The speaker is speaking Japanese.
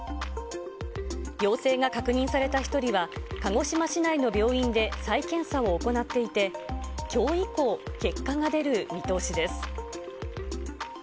陽性が確認された１人は、鹿児島市内の病院で再検査を行っていて、きょう以降、結果が出る見通しです。